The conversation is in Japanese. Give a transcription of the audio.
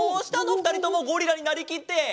ふたりともゴリラになりきって。